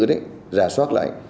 già soát lại